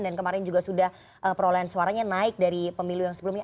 dan kemarin juga sudah perolahan suaranya naik dari pemilu yang sebelumnya